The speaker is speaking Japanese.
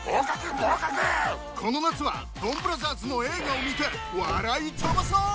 この夏は『ドンブラザーズ』の映画を見て笑い飛ばそう！